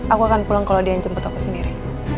aku akan pulang kalau dia yang jemput aku sendiri